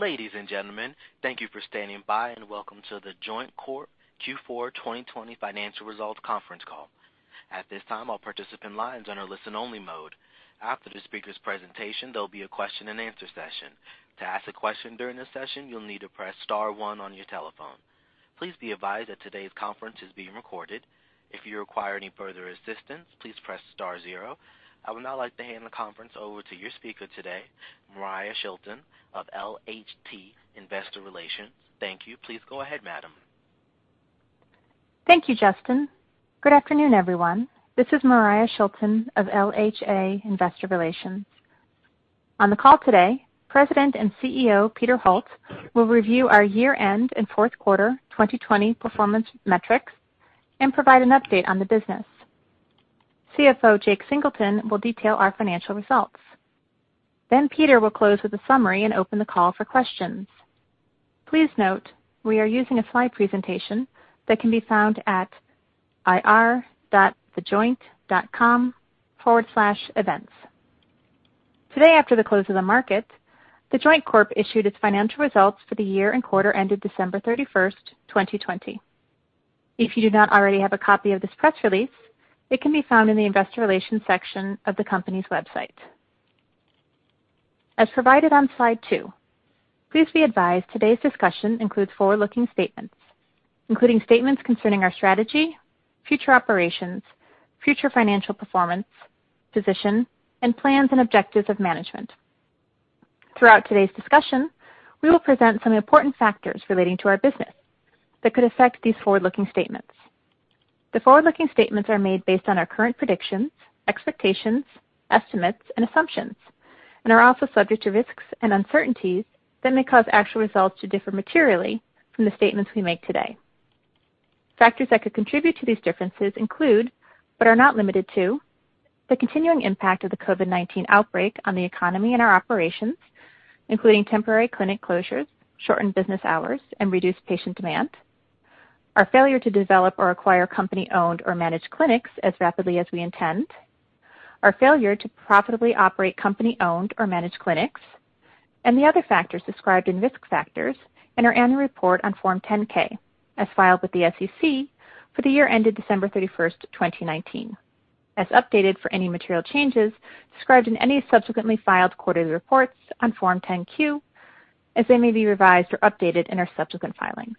Ladies and gentlemen, thank you for standing by and welcome to The Joint Corp. Q4 2020 financial results conference call. At this time, all participant lines are in listen-only mode. After the speaker's presentation, there will be a question and answer session. To ask a question during the session, you'll need to press star one on your telephone. Please be advised that today's conference is being recorded. If you require any further assistance, please press star zero. I would now like to hand the conference over to your speaker today, Moriah Shilton of LHA Investor Relations. Thank you. Please go ahead, madam. Thank you, Justin. Good afternoon, everyone. This is Moriah Shilton of LHA Investor Relations. On the call today, President and CEO Peter Holt will review our year-end and fourth quarter 2020 performance metrics and provide an update on the business. CFO Jake Singleton will detail our financial results. Peter will close with a summary and open the call for questions. Please note, we are using a slide presentation that can be found at ir.thejoint.com/events. Today, after the close of the market, The Joint Corp. issued its financial results for the year and quarter ended December 31st, 2020. If you do not already have a copy of this press release, it can be found in the investor relations section of the company's website. As provided on slide two, please be advised today's discussion includes forward-looking statements, including statements concerning our strategy, future operations, future financial performance, position, and plans and objectives of management. Throughout today's discussion, we will present some important factors relating to our business that could affect these forward-looking statements. The forward-looking statements are made based on our current predictions, expectations, estimates, and assumptions, and are also subject to risks and uncertainties that may cause actual results to differ materially from the statements we make today. Factors that could contribute to these differences include, but are not limited to, the continuing impact of the COVID-19 outbreak on the economy and our operations, including temporary clinic closures, shortened business hours, and reduced patient demand, our failure to develop or acquire company-owned or managed clinics as rapidly as we intend, Our failure to profitably operate company-owned or managed clinics, and the other factors described in Risk Factors in our Annual Report on Form 10-K, as filed with the SEC for the year ended December 31, 2019, as updated for any material changes described in any subsequently filed quarterly reports on Form 10-Q, as they may be revised or updated in our subsequent filings.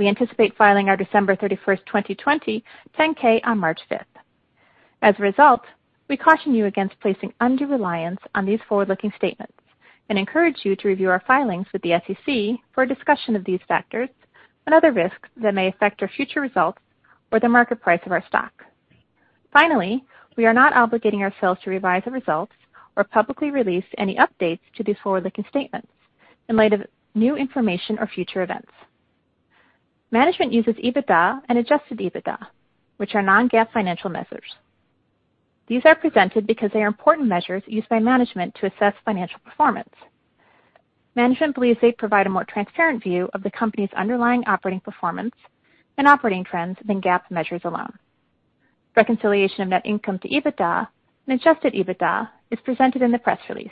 We anticipate filing our December 31, 2020 10-K on March 5. As a result, we caution you against placing undue reliance on these forward-looking statements and encourage you to review our filings with the SEC for a discussion of these factors and other risks that may affect our future results or the market price of our stock. We are not obligating ourselves to revise the results or publicly release any updates to these forward-looking statements in light of new information or future events. Management uses EBITDA and Adjusted EBITDA, which are non-GAAP financial measures. These are presented because they are important measures used by management to assess financial performance. Management believes they provide a more transparent view of the company's underlying operating performance and operating trends than GAAP measures alone. Reconciliation of net income to EBITDA and Adjusted EBITDA is presented in the press release.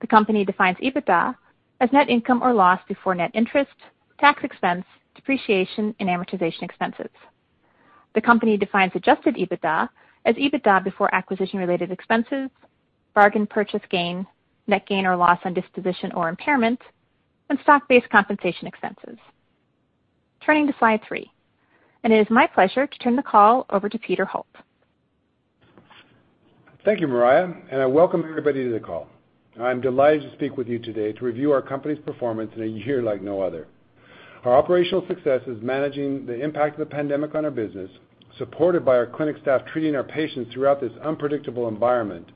The company defines EBITDA as net income or loss before net interest, tax expense, depreciation, and amortization expenses. The company defines Adjusted EBITDA as EBITDA before acquisition-related expenses, bargain purchase gain, net gain or loss on disposition or impairment, and stock-based compensation expenses. Turning to slide three, it is my pleasure to turn the call over to Peter Holt. Thank you, Moriah. I welcome everybody to the call. I'm delighted to speak with you today to review our company's performance in a year like no other. Our operational success is managing the impact of the pandemic on our business, supported by our clinic staff treating our patients throughout this unpredictable environment,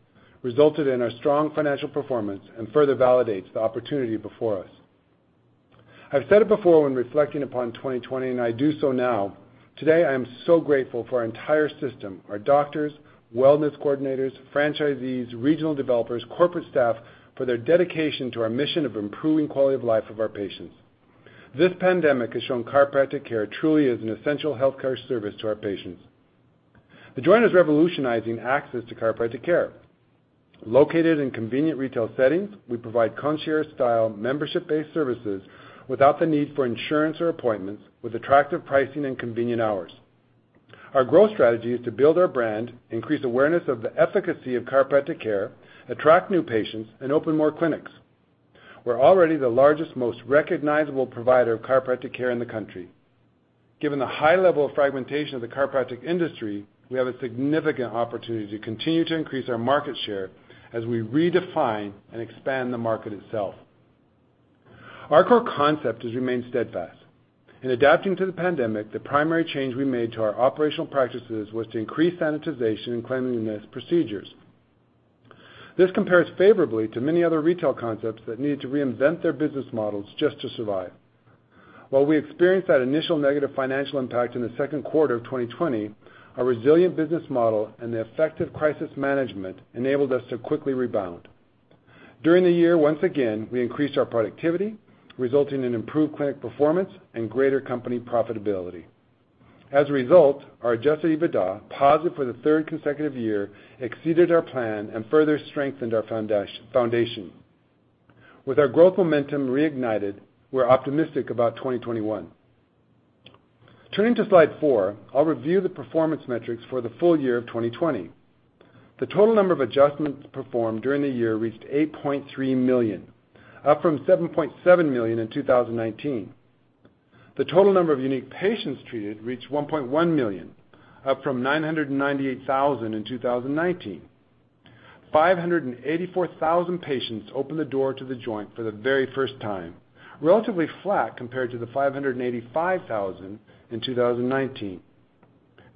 resulted in our strong financial performance and further validates the opportunity before us. I've said it before when reflecting upon 2020. I do so now. Today, I am so grateful for our entire system, our doctors, wellness coordinators, franchisees, regional developers, corporate staff, for their dedication to our mission of improving quality of life of our patients. This pandemic has shown chiropractic care truly is an essential healthcare service to our patients. The Joint is revolutionizing access to chiropractic care. Located in convenient retail settings, we provide concierge-style membership-based services without the need for insurance or appointments, with attractive pricing and convenient hours. Our growth strategy is to build our brand, increase awareness of the efficacy of chiropractic care, attract new patients, and open more clinics. We're already the largest, most recognizable provider of chiropractic care in the country. Given the high level of fragmentation of the chiropractic industry, we have a significant opportunity to continue to increase our market share as we redefine and expand the market itself. Our core concept has remained steadfast. In adapting to the pandemic, the primary change we made to our operational practices was to increase sanitization and cleanliness procedures. This compares favorably to many other retail concepts that needed to reinvent their business models just to survive. While we experienced that initial negative financial impact in the second quarter of 2020, our resilient business model and the effective crisis management enabled us to quickly rebound. During the year, once again, we increased our productivity, resulting in improved clinic performance and greater company profitability. As a result, our Adjusted EBITDA, positive for the third consecutive year, exceeded our plan and further strengthened our foundation. With our growth momentum reignited, we're optimistic about 2021. Turning to slide four, I'll review the performance metrics for the full year of 2020. The total number of adjustments performed during the year reached 8.3 million, up from 7.7 million in 2019. The total number of unique patients treated reached 1.1 million, up from 998,000 in 2019. 584,000 patients opened the door to The Joint for the very first time, relatively flat compared to the 585,000 in 2019.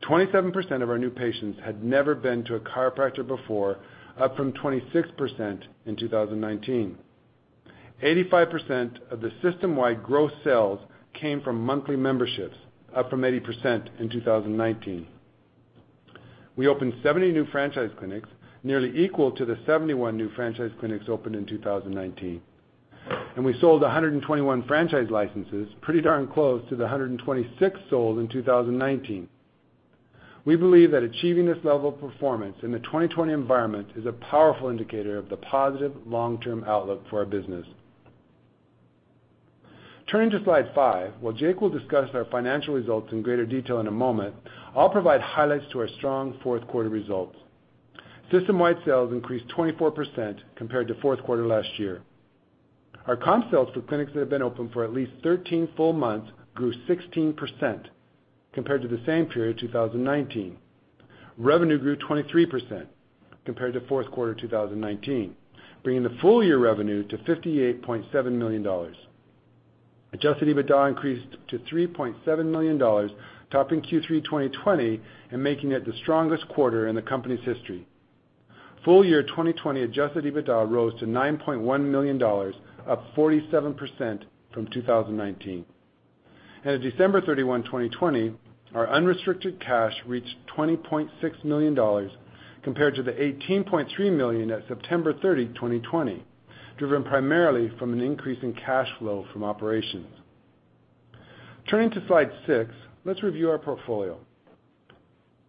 27% of our new patients had never been to a chiropractor before, up from 26% in 2019. 85% of the system-wide growth sales came from monthly memberships, up from 80% in 2019. We opened 70 new franchise clinics, nearly equal to the 71 new franchise clinics opened in 2019. We sold 121 franchise licenses, pretty darn close to the 126 sold in 2019. We believe that achieving this level of performance in the 2020 environment is a powerful indicator of the positive long-term outlook for our business. Turning to slide five, while Jake will discuss our financial results in greater detail in a moment, I'll provide highlights to our strong fourth quarter results. System-wide sales increased 24% compared to fourth quarter last year. Our comp sales for clinics that have been open for at least 13 full months grew 16% compared to the same period in 2019. Revenue grew 23% compared to fourth quarter 2019, bringing the full year revenue to $58.7 million. Adjusted EBITDA increased to $3.7 million, topping Q3 2020 and making it the strongest quarter in the company's history. Full year 2020 adjusted EBITDA rose to $9.1 million, up 47% from 2019. At December 31, 2020, our unrestricted cash reached $20.6 million, compared to the $18.3 million at September 30, 2020, driven primarily from an increase in cash flow from operations. Turning to slide six, let's review our portfolio.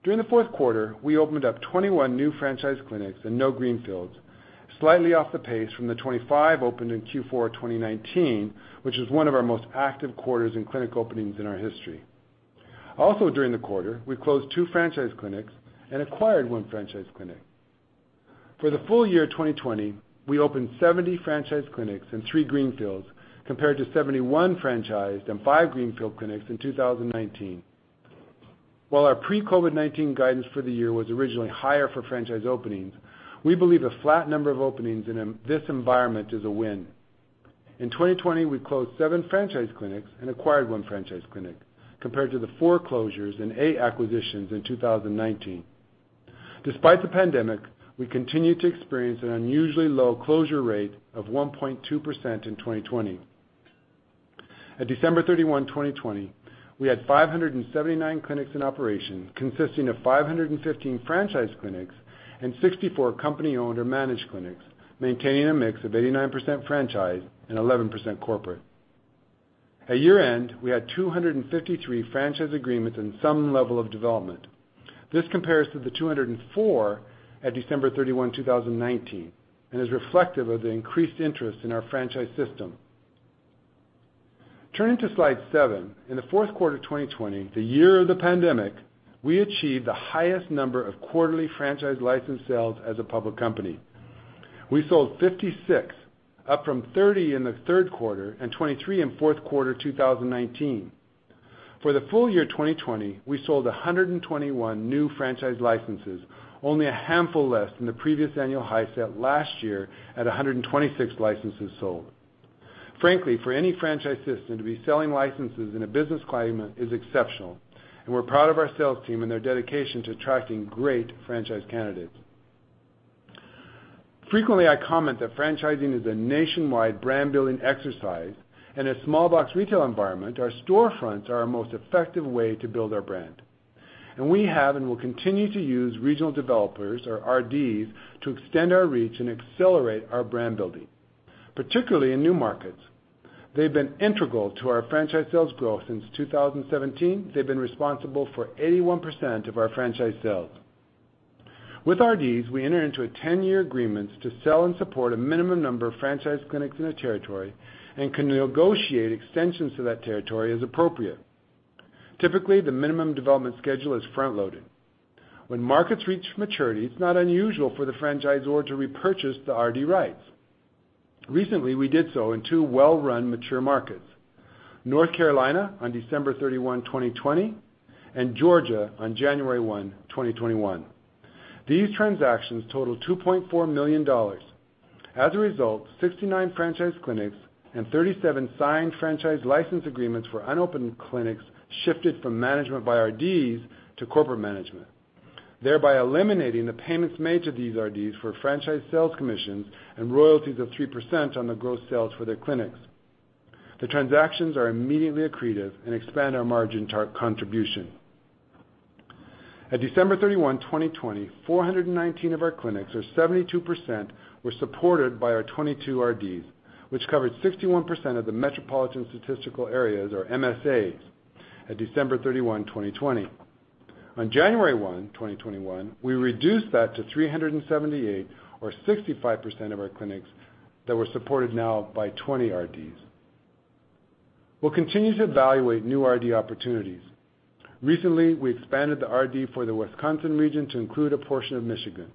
During the fourth quarter, we opened up 21 new franchise clinics and no greenfields, slightly off the pace from the 25 opened in Q4 2019, which was one of our most active quarters in clinic openings in our history. Also during the quarter, we closed two franchise clinics and acquired one franchise clinic. For the full year 2020, we opened 70 franchise clinics and three greenfields, compared to 71 franchised and five greenfield clinics in 2019. While our pre-COVID-19 guidance for the year was originally higher for franchise openings, we believe a flat number of openings in this environment is a win. In 2020, we closed seven franchise clinics and acquired one franchise clinic, compared to the four closures and eight acquisitions in 2019. Despite the pandemic, we continue to experience an unusually low closure rate of 1.2% in 2020. At December 31, 2020, we had 579 clinics in operation, consisting of 515 franchise clinics and 64 company-owned or managed clinics, maintaining a mix of 89% franchise and 11% corporate. At year-end, we had 253 franchise agreements in some level of development. This compares to the 204 at December 31, 2019, and is reflective of the increased interest in our franchise system. Turning to slide seven, in the fourth quarter 2020, the year of the pandemic, we achieved the highest number of quarterly franchise license sales as a public company. We sold 56, up from 30 in the third quarter and 23 in fourth quarter 2019. For the full year 2020, we sold 121 new franchise licenses, only a handful less than the previous annual high set last year at 126 licenses sold. Frankly, for any franchise system to be selling licenses in a business climate is exceptional, and we're proud of our sales team and their dedication to attracting great franchise candidates. Frequently, I comment that franchising is a nationwide brand-building exercise and a small box retail environment, our storefronts are our most effective way to build our brand, and we have and will continue to use regional developers or RDs to extend our reach and accelerate our brand building, particularly in new markets. They've been integral to our franchise sales growth since 2017. They've been responsible for 81% of our franchise sales. With RDs, we enter into 10-year agreements to sell and support a minimum number of franchise clinics in a territory and can negotiate extensions to that territory as appropriate. Typically, the minimum development schedule is front-loaded. When markets reach maturity, it's not unusual for the franchisor to repurchase the RD rights. Recently, we did so in two well-run mature markets, North Carolina on December 31, 2020, and Georgia on January 1, 2021. These transactions totaled $2.4 million. As a result, 69 franchise clinics and 37 signed franchise license agreements for unopened clinics shifted from management by RDs to corporate management, thereby eliminating the payments made to these RDs for franchise sales commissions and royalties of 3% on the gross sales for their clinics. The transactions are immediately accretive and expand our margin contribution. At December 31, 2020, 419 of our clinics, or 72%, were supported by our 22 RDs, which covered 61% of the Metropolitan Statistical Areas, or MSAs, at December 31, 2020. On January 1, 2021, we reduced that to 378, or 65% of our clinics that were supported now by 20 RDs. We'll continue to evaluate new RD opportunities. Recently, we expanded the RD for the Wisconsin region to include a portion of Michigan.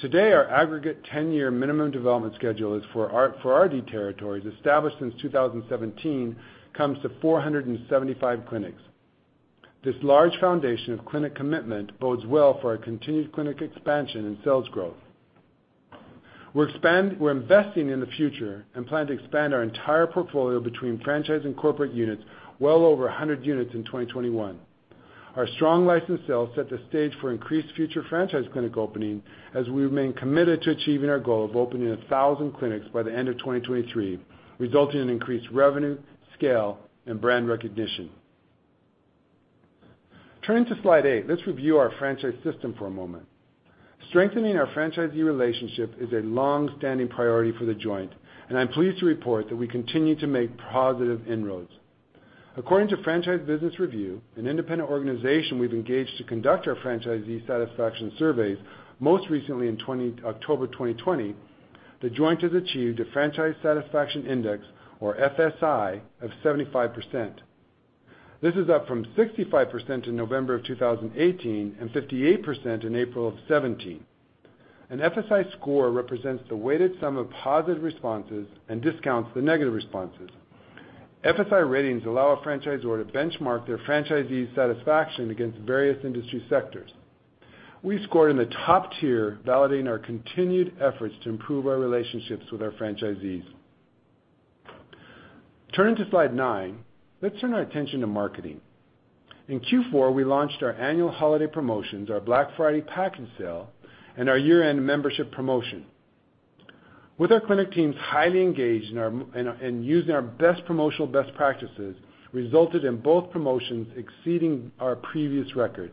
Today, our aggregate 10-year minimum development schedule for RD territories established since 2017 comes to 475 clinics. This large foundation of clinic commitment bodes well for our continued clinic expansion and sales growth. We're investing in the future and plan to expand our entire portfolio between franchise and corporate units well over 100 units in 2021. Our strong licensed sales set the stage for increased future franchise clinic opening as we remain committed to achieving our goal of opening 1,000 clinics by the end of 2023, resulting in increased revenue, scale, and brand recognition. Turning to slide eight, let's review our franchise system for a moment. Strengthening our franchisee relationship is a long-standing priority for The Joint, and I'm pleased to report that we continue to make positive inroads. According to Franchise Business Review, an independent organization we've engaged to conduct our franchisee satisfaction surveys, most recently in October 2020, The Joint has achieved a franchise satisfaction index, or FSI, of 75%. This is up from 65% in November of 2018 and 58% in April of 2017. An FSI score represents the weighted sum of positive responses and discounts the negative responses. FSI ratings allow a franchisor to benchmark their franchisee satisfaction against various industry sectors. We scored in the top tier, validating our continued efforts to improve our relationships with our franchisees. Turning to slide nine, let's turn our attention to marketing. In Q4, we launched our annual holiday promotions, our Black Friday pack-in sale, and our year-end membership promotion. With our clinic teams highly engaged and using our best promotional best practices resulted in both promotions exceeding our previous records.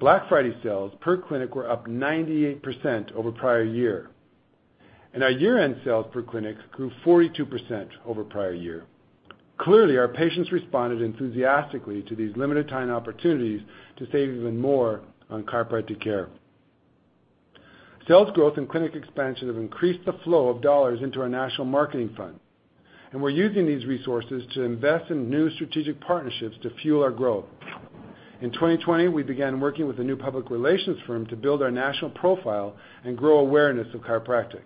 Black Friday sales per clinic were up 98% over prior year. Our year-end sales per clinic grew 42% over prior year. Clearly, our patients responded enthusiastically to these limited time opportunities to save even more on chiropractic care. Sales growth and clinic expansion have increased the flow of dollars into our national marketing fund, and we're using these resources to invest in new strategic partnerships to fuel our growth. In 2020, we began working with a new public relations firm to build our national profile and grow awareness of chiropractic.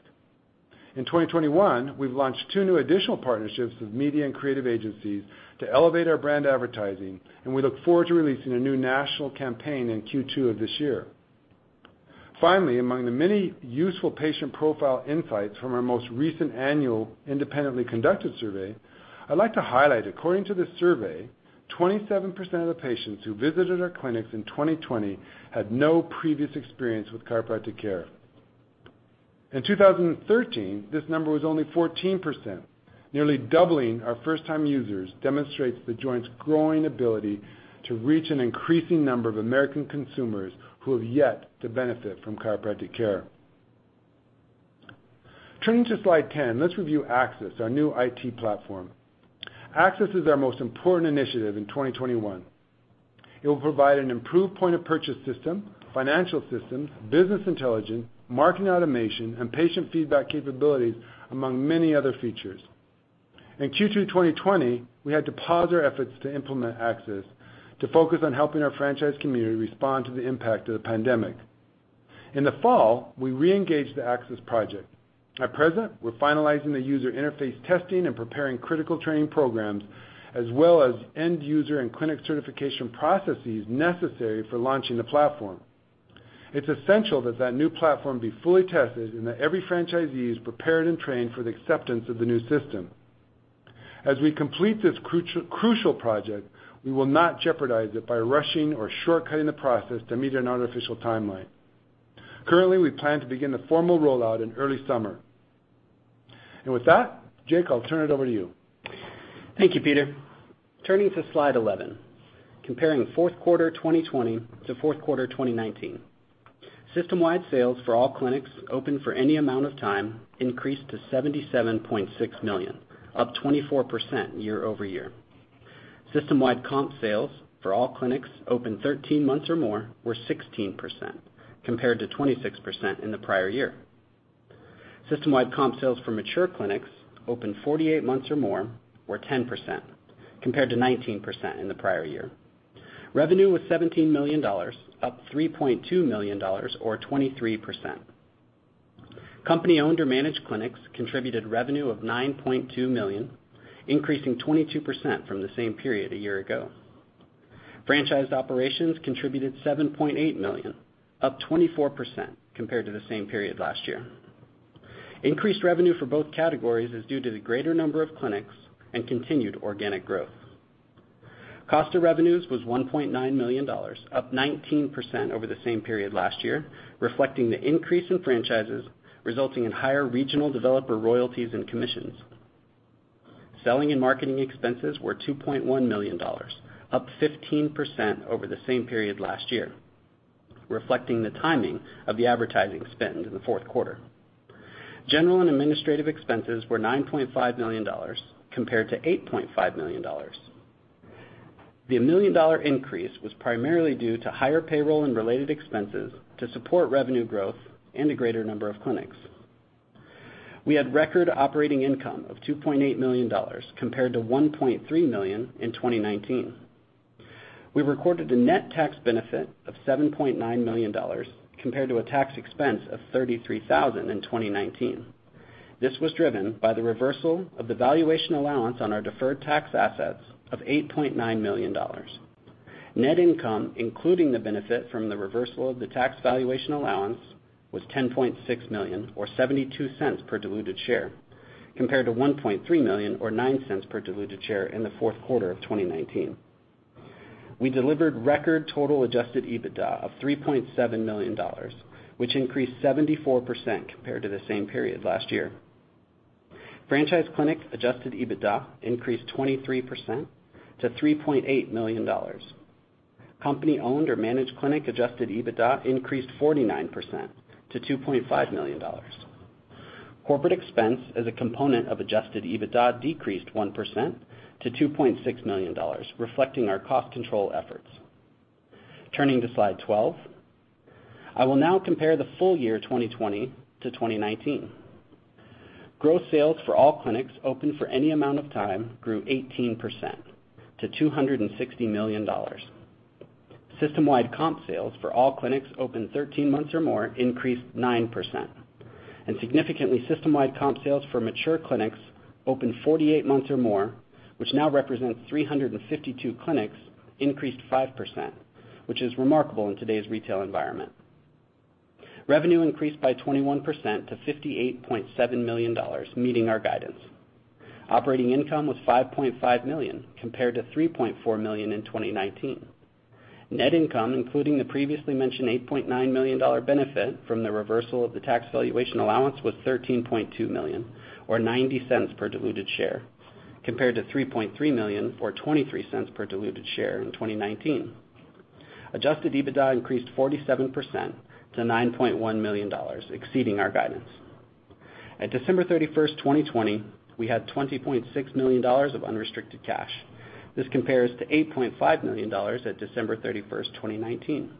In 2021, we've launched two new additional partnerships with media and creative agencies to elevate our brand advertising, and we look forward to releasing a new national campaign in Q2 of this year. Among the many useful patient profile insights from our most recent annual independently conducted survey, I'd like to highlight according to the survey, 27% of the patients who visited our clinics in 2020 had no previous experience with chiropractic care. In 2013, this number was only 14%. Nearly doubling our first-time users demonstrates The Joint's growing ability to reach an increasing number of American consumers who have yet to benefit from chiropractic care. Turning to slide 10, let's review Axis, our new IT platform. Axis is our most important initiative in 2021. It will provide an improved point-of-purchase system, financial system, business intelligence, marketing automation, and patient feedback capabilities, among many other features. In Q2 2020, we had to pause our efforts to implement Axis to focus on helping our franchise community respond to the impact of the pandemic. In the fall, we re-engaged the Axis project. At present, we're finalizing the user interface testing and preparing critical training programs, as well as end user and clinic certification processes necessary for launching the platform. It's essential that new platform be fully tested and that every franchisee is prepared and trained for the acceptance of the new system. As we complete this crucial project, we will not jeopardize it by rushing or shortcutting the process to meet an artificial timeline. Currently, we plan to begin the formal rollout in early summer. With that, Jake, I'll turn it over to you. Thank you, Peter. Turning to slide 11, comparing fourth quarter 2020 to fourth quarter 2019. System-wide sales for all clinics open for any amount of time increased to $77.6 million, up 24% year-over-year. System-wide comp sales for all clinics open 13 months or more were 16% compared to 26% in the prior year. System-wide comp sales for mature clinics open 48 months or more were 10% compared to 19% in the prior year. Revenue was $17 million, up $3.2 million or 23%. Company-owned or managed clinics contributed revenue of $9.2 million, increasing 22% from the same period a year ago. Franchised operations contributed $7.8 million, up 24% compared to the same period last year. Increased revenue for both categories is due to the greater number of clinics and continued organic growth. Cost of revenues was $1.9 million, up 19% over the same period last year, reflecting the increase in franchises resulting in higher regional developer royalties and commissions. Selling and marketing expenses were $2.1 million, up 15% over the same period last year, reflecting the timing of the advertising spend in the fourth quarter. General and administrative expenses were $9.5 million compared to $8.5 million. The $1 million increase was primarily due to higher payroll and related expenses to support revenue growth and a greater number of clinics. We had record operating income of $2.8 million compared to $1.3 million in 2019. We recorded a net tax benefit of $7.9 million, compared to a tax expense of $33,000 in 2019. This was driven by the reversal of the valuation allowance on our deferred tax assets of $8.9 million. Net income, including the benefit from the reversal of the tax valuation allowance, was $10.6 million, or $0.72 per diluted share, compared to $1.3 million or $0.09 per diluted share in the fourth quarter of 2019. We delivered record total adjusted EBITDA of $3.7 million, which increased 74% compared to the same period last year. Franchise clinics adjusted EBITDA increased 23% to $3.8 million. Company-owned or managed clinic adjusted EBITDA increased 49% to $2.5 million. Corporate expense as a component of adjusted EBITDA decreased 1% to $2.6 million, reflecting our cost control efforts. Turning to slide 12. I will now compare the full year 2020 to 2019. Gross sales for all clinics open for any amount of time grew 18% to $260 million. System-wide comp sales for all clinics open 13 months or more increased 9%, and significantly system-wide comp sales for mature clinics open 48 months or more, which now represents 352 clinics, increased 5%, which is remarkable in today's retail environment. Revenue increased by 21% to $58.7 million, meeting our guidance. Operating income was $5.5 million compared to $3.4 million in 2019. Net income, including the previously mentioned $8.9 million benefit from the reversal of the tax valuation allowance, was $13.2 million or $0.90 per diluted share, compared to $3.3 million or $0.23 per diluted share in 2019. Adjusted EBITDA increased 47% to $9.1 million, exceeding our guidance. At December 31st, 2020, we had $20.6 million of unrestricted cash. This compares to $8.5 million at December 31st, 2019.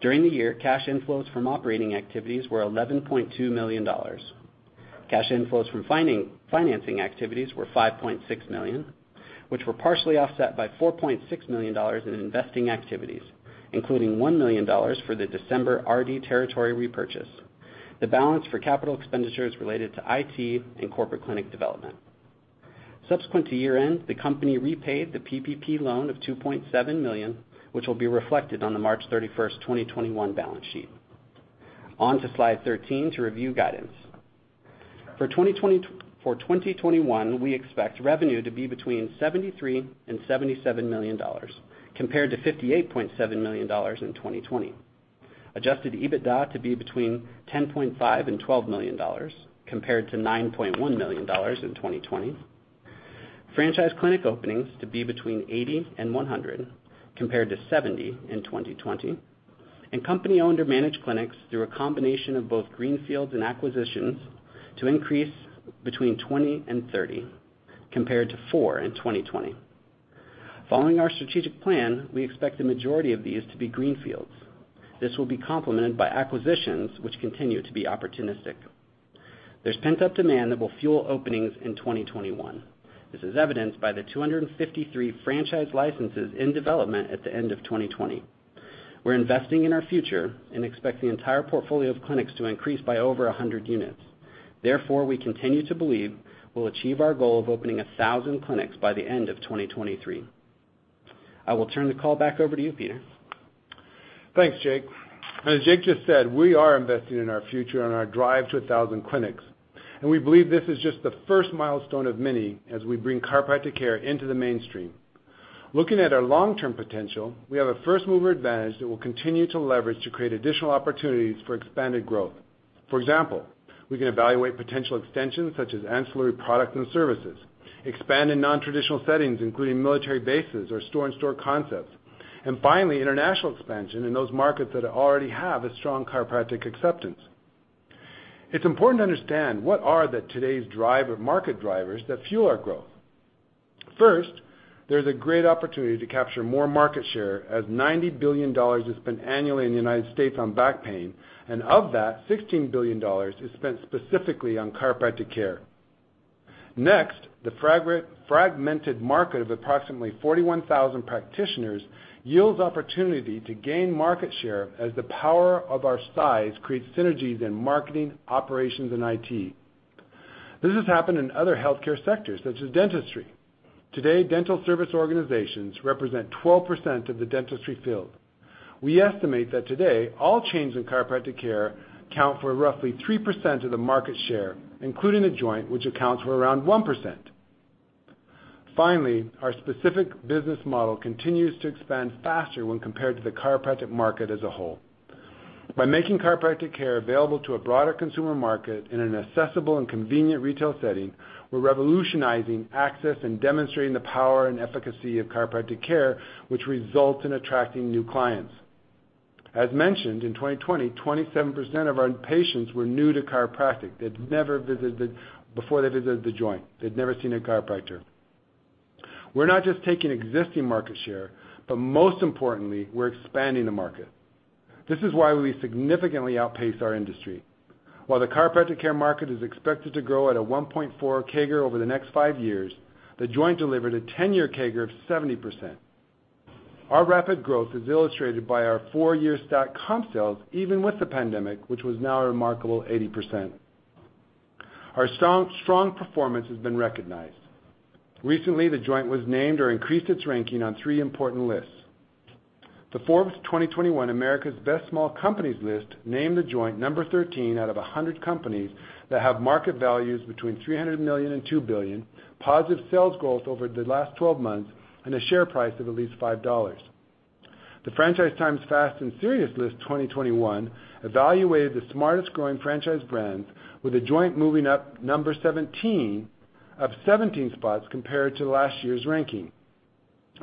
During the year, cash inflows from operating activities were $11.2 million. Cash inflows from financing activities were $5.6 million, which were partially offset by $4.6 million in investing activities, including $1 million for the December RD territory repurchase, the balance for capital expenditures related to IT and corporate clinic development. Subsequent to year-end, the company repaid the PPP loan of $2.7 million, which will be reflected on the March 31st, 2021 balance sheet. On to slide 13 to review guidance. For 2021, we expect revenue to be between $73 million and $77 million, compared to $58.7 million in 2020. Adjusted EBITDA to be between $10.5 million and $12 million, compared to $9.1 million in 2020. Franchise clinic openings to be between 80 and 100, compared to 70 in 2020. Company-owned or managed clinics through a combination of both greenfields and acquisitions to increase between 20 and 30, compared to four in 2020. Following our strategic plan, we expect the majority of these to be greenfields. This will be complemented by acquisitions, which continue to be opportunistic. There's pent-up demand that will fuel openings in 2021. This is evidenced by the 253 franchise licenses in development at the end of 2020. We're investing in our future and expect the entire portfolio of clinics to increase by over 100 units. Therefore, we continue to believe we'll achieve our goal of opening 1,000 clinics by the end of 2023. I will turn the call back over to you, Peter. Thanks, Jake. As Jake just said, we are investing in our future and our drive to 1,000 clinics, and we believe this is just the first milestone of many as we bring chiropractic care into the mainstream. Looking at our long-term potential, we have a first-mover advantage that we'll continue to leverage to create additional opportunities for expanded growth. For example, we can evaluate potential extensions such as ancillary products and services, expand in non-traditional settings, including military bases or store-and-store concepts, and finally, international expansion in those markets that already have a strong chiropractic acceptance. It's important to understand what are today's market drivers that fuel our growth. First, there's a great opportunity to capture more market share as $90 billion is spent annually in the U.S. on back pain, and of that, $16 billion is spent specifically on chiropractic care. Next, the fragmented market of approximately 41,000 practitioners yields opportunity to gain market share as the power of our size creates synergies in marketing, operations, and IT. This has happened in other healthcare sectors such as dentistry. Today, dental service organizations represent 12% of the dentistry field. We estimate that today, all chains in chiropractic care account for roughly 3% of the market share, including The Joint, which accounts for around 1%. Finally, our specific business model continues to expand faster when compared to the chiropractic market as a whole. By making chiropractic care available to a broader consumer market in an accessible and convenient retail setting, we're revolutionizing access and demonstrating the power and efficacy of chiropractic care, which results in attracting new clients. As mentioned, in 2020, 27% of our patients were new to chiropractic. They'd never visited before they visited The Joint. They'd never seen a chiropractor. We're not just taking existing market share, but most importantly, we're expanding the market. This is why we significantly outpace our industry. While the chiropractic care market is expected to grow at a 1.4 CAGR over the next five years, The Joint delivered a 10-year CAGR of 70%. Our rapid growth is illustrated by our 4-year stacked comp sales, even with the pandemic, which was now a remarkable 80%. Our strong performance has been recognized. Recently, The Joint was named or increased its ranking on three important lists. The Forbes 2021 America's Best Small Companies list named The Joint number 13 out of 100 companies that have market values between $300 million and $2 billion, positive sales growth over the last 12 months, and a share price of at least $5. The Franchise Times Fast & Serious List 2021 evaluated the smartest growing franchise brands, with The Joint moving up number 17, up 17 spots compared to last year's ranking.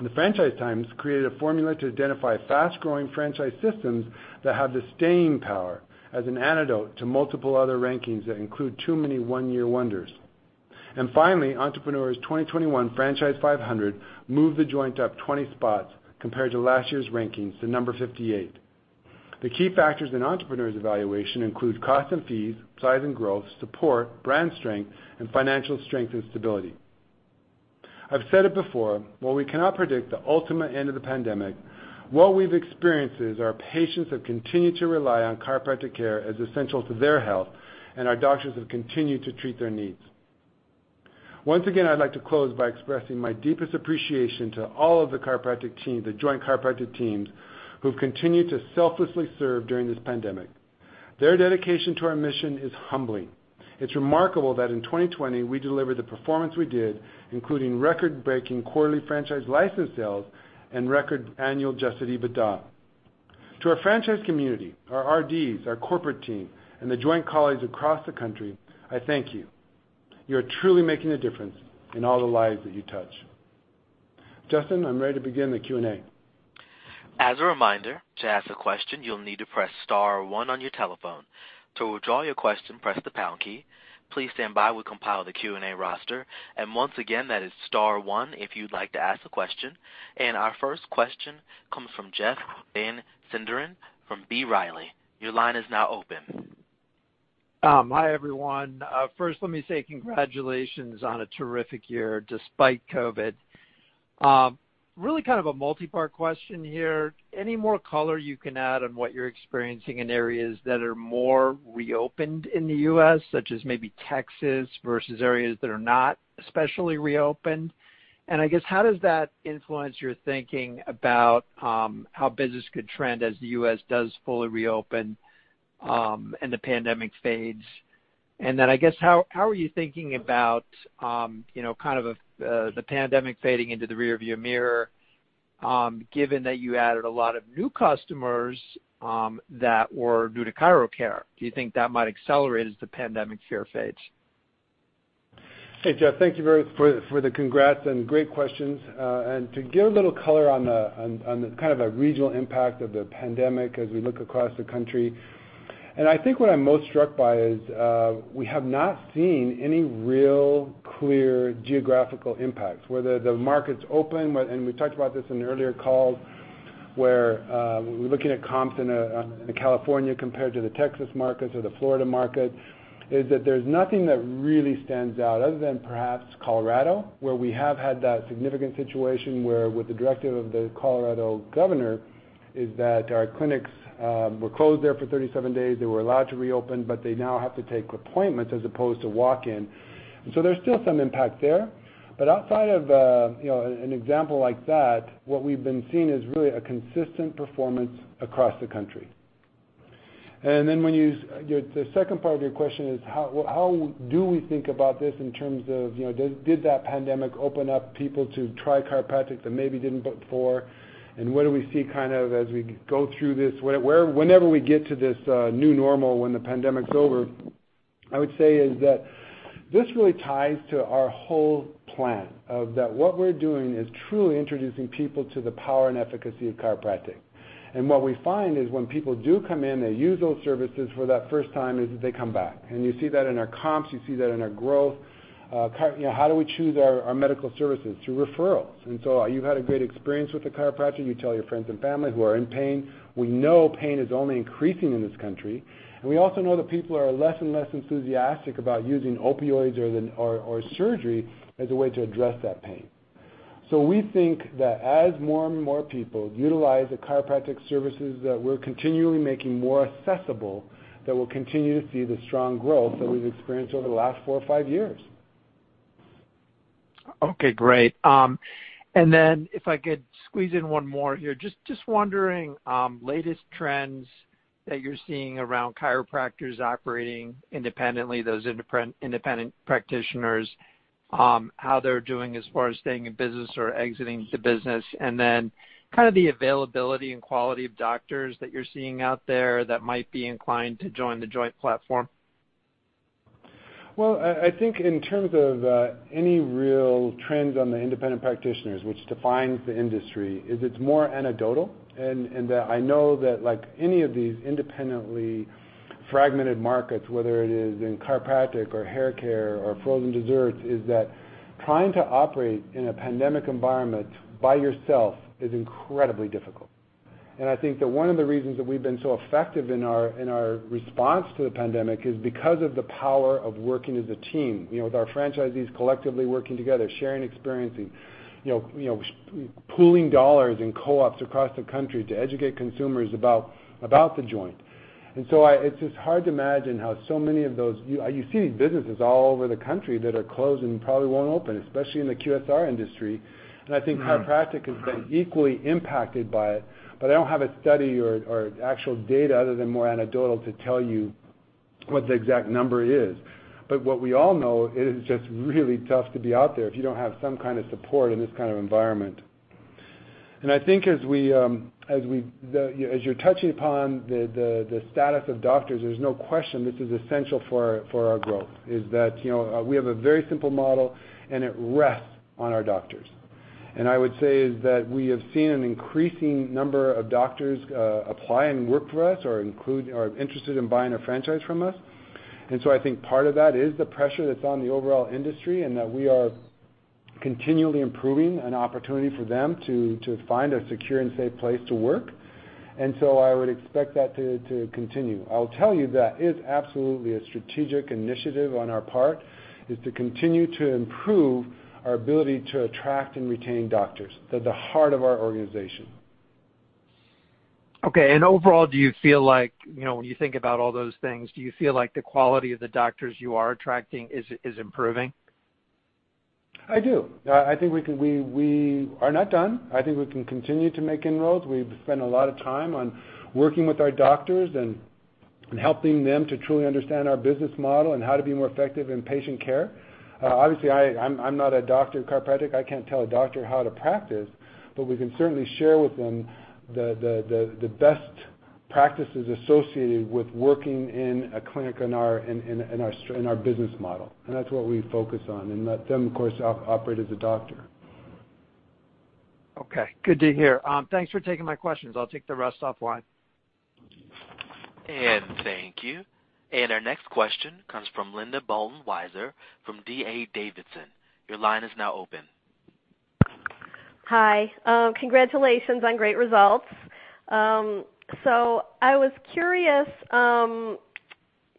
The Franchise Times created a formula to identify fast-growing franchise systems that have the staying power as an antidote to multiple other rankings that include too many one-year wonders. Finally, Entrepreneur's 2021 Franchise 500 moved The Joint up 20 spots compared to last year's rankings to number 58. The key factors in Entrepreneur's evaluation include cost and fees, size and growth, support, brand strength, and financial strength and stability. I've said it before, while we cannot predict the ultimate end of the pandemic, what we've experienced is our patients have continued to rely on chiropractic care as essential to their health, and our doctors have continued to treat their needs. Once again, I'd like to close by expressing my deepest appreciation to all of the chiropractic team, The Joint chiropractic teams, who've continued to selflessly serve during this pandemic. Their dedication to our mission is humbling. It's remarkable that in 2020 we delivered the performance we did, including record-breaking quarterly franchise license sales and record annual Adjusted EBITDA. To our franchise community, our RDs, our corporate team, and The Joint colleagues across the country, I thank you. You are truly making a difference in all the lives that you touch. Justin, I'm ready to begin the Q&A. As a reminder, to ask a question, you'll need to press star one on your telephone. To withdraw your question, press the pound key. Please stand by. We'll compile the Q&A roster. Once again, that is star one if you'd like to ask a question. Our first question comes from Jeff Van Sinderen from B. Riley. Your line is now open. Hi, everyone. First, let me say congratulations on a terrific year despite COVID. Really kind of a multi-part question here. Any more color you can add on what you're experiencing in areas that are more reopened in the U.S., such as maybe Texas, versus areas that are not especially reopened? I guess, how does that influence your thinking about how business could trend as the U.S. does fully reopen, and the pandemic fades? I guess, how are you thinking about the pandemic fading into the rear view mirror, given that you added a lot of new customers that were new to chiro care? Do you think that might accelerate as the pandemic fear fades? Hey, Jeff, thank you very much for the congrats and great questions. To give a little color on the kind of a regional impact of the pandemic as we look across the country, and I think what I'm most struck by is we have not seen any real clear geographical impacts. Whether the market's open, and we talked about this in the earlier calls, where we're looking at comps in California compared to the Texas markets or the Florida markets, is that there's nothing that really stands out other than perhaps Colorado, where we have had that significant situation where with the directive of the Colorado governor, is that our clinics were closed there for 37 days. They were allowed to reopen, but they now have to take appointments as opposed to walk in. There's still some impact there. Outside of an example like that, what we've been seeing is really a consistent performance across the country. Then the second part of your question is how do we think about this in terms of did that pandemic open up people to try chiropractic that maybe didn't before? What do we see kind of as we go through this? Whenever we get to this new normal, when the pandemic's over, I would say is that this really ties to our whole plan of that what we're doing is truly introducing people to the power and efficacy of chiropractic. What we find is when people do come in, they use those services for that first time, is that they come back. You see that in our comps. You see that in our growth. How do we choose our medical services? Through referrals. You've had a great experience with the chiropractor. You tell your friends and family who are in pain. We know pain is only increasing in this country, and we also know that people are less and less enthusiastic about using opioids or surgery as a way to address that pain. We think that as more and more people utilize the chiropractic services that we're continually making more accessible, that we'll continue to see the strong growth that we've experienced over the last four or five years. Okay, great. If I could squeeze in one more here. Just wondering, latest trends that you're seeing around chiropractors operating independently, those independent practitioners, how they're doing as far as staying in business or exiting the business, and then the availability and quality of doctors that you're seeing out there that might be inclined to join The Joint platform? I think in terms of any real trends on the independent practitioners, which defines the industry, is it's more anecdotal, and that I know that like any of these independently fragmented markets, whether it is in chiropractic or hair care or frozen desserts, is that trying to operate in a pandemic environment by yourself is incredibly difficult. I think that one of the reasons that we've been so effective in our response to the pandemic is because of the power of working as a team, with our franchisees collectively working together, sharing experiences, pooling dollars in co-ops across the country to educate consumers about The Joint. It's just hard to imagine. You see these businesses all over the country that are closed and probably won't open, especially in the QSR industry. I think chiropractic has been equally impacted by it, but I don't have a study or actual data other than more anecdotal to tell you what the exact number is. What we all know, it is just really tough to be out there if you don't have some kind of support in this kind of environment. I think as you're touching upon the status of doctors, there's no question this is essential for our growth, is that we have a very simple model and it rests on our doctors. I would say is that we have seen an increasing number of doctors apply and work for us or are interested in buying a franchise from us. I think part of that is the pressure that's on the overall industry, and that we are continually improving an opportunity for them to find a secure and safe place to work. I would expect that to continue. I'll tell you that is absolutely a strategic initiative on our part, is to continue to improve our ability to attract and retain doctors. They're the heart of our organization. Okay, overall, when you think about all those things, do you feel like the quality of the doctors you are attracting is improving? I do. I think we are not done. I think we can continue to make inroads. We've spent a lot of time on working with our doctors and helping them to truly understand our business model and how to be more effective in patient care. Obviously, I'm not a doctor of chiropractic. I can't tell a doctor how to practice, but we can certainly share with them the best practices associated with working in a clinic in our business model, and that's what we focus on, and let them, of course, operate as a doctor. Okay. Good to hear. Thanks for taking my questions. I'll take the rest offline. Thank you. Our next question comes from Linda Bolton-Weiser from D.A. Davidson. Your line is now open. Hi. Congratulations on great results. I was curious,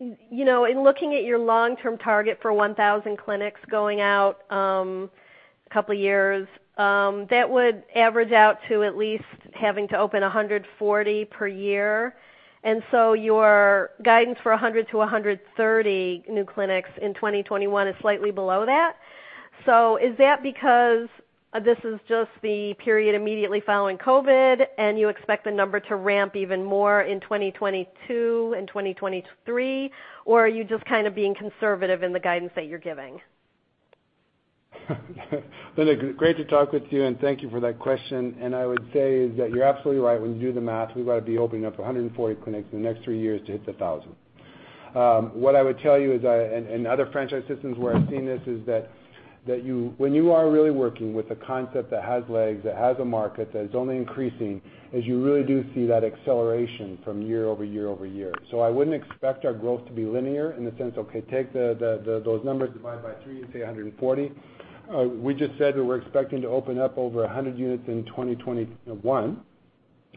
in looking at your long-term target for 1,000 clinics going out a couple of years, that would average out to at least having to open 140 per year. Your guidance for 100-130 new clinics in 2021 is slightly below that. Is that because this is just the period immediately following COVID-19 and you expect the number to ramp even more in 2022 and 2023? Are you just kind of being conservative in the guidance that you're giving? Linda, great to talk with you, thank you for that question. I would say is that you're absolutely right. When you do the math, we've got to be opening up 140 clinics in the next three years to hit the 1,000. What I would tell you is, and other franchise systems where I've seen this, is that when you are really working with a concept that has legs, that has a market, that is only increasing, is you really do see that acceleration from year over year over year. I wouldn't expect our growth to be linear in the sense, okay, take those numbers, divide by three and say 140. We just said that we're expecting to open up over 100 units in 2021.